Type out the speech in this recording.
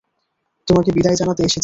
তোমাকে বিদায় জানাতে এসেছি।